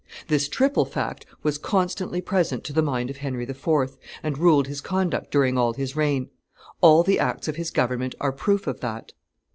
This triple fact was constantly present to the mind of Henry IV., and ruled his conduct during all his reign; all the acts of his government are proof of that.